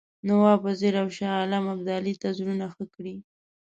نواب وزیر او شاه عالم ابدالي ته زړونه ښه کړي.